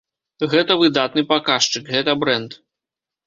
Гэта выдатны паказчык, гэта брэнд.